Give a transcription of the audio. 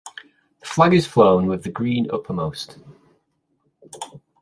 The flag is flown with the green uppermost.